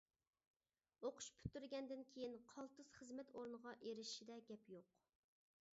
ئوقۇش پۈتتۈرگەندىن كىيىن قالتىس خىزمەت ئورنىغا ئېرىشىشىدە گەپ يوق.